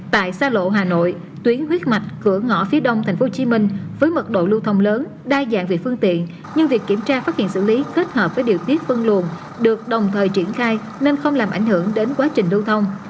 tại xa lộ hà nội tuyến huyết mạch cửa ngõ phía đông tp hcm với mật độ lưu thông lớn đa dạng về phương tiện nhưng việc kiểm tra phát hiện xử lý kết hợp với điều tiết phân luồn được đồng thời triển khai nên không làm ảnh hưởng đến quá trình lưu thông